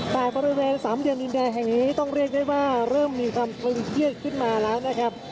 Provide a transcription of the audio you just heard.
แต่ประ๕๓แห่งนี้ต้องเรียกได้ว่าเริ่มมีความเครื่องเย็นขึ้นมาแล้วนะครับ